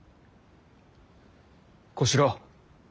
小四郎。